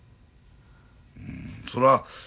うんそら